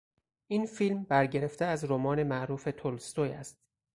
این فیلم برگرفته از رمان معروف تولستوی است.